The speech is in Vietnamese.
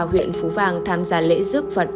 huyện phú vàng tham gia lễ giúp phật